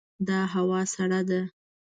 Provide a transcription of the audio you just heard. دا هوا سړه ده.